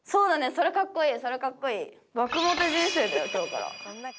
それかっこいい！